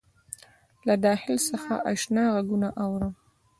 له داخل څخه آشنا غــــــــــږونه اورم